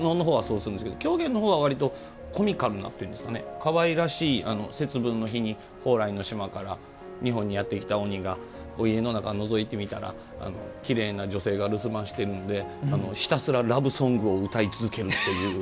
狂言の方は、割とコミカルなというかかわいらしい節分の日に日本にやってきた鬼が家の中のぞいてみたらきれいな女性が留守番してるんでひたすら、ラブソングを歌い続けるっていう。